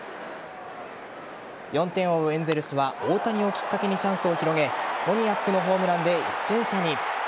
４点を追うエンゼルスは大谷をきっかけにチャンスを広げモニアックのホームランで１点差に。